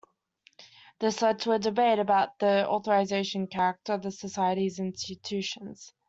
This led to a debate about the authoritarian character of the Society's institutions.